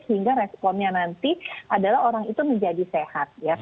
sehingga responnya nanti adalah orang itu menjadi sehat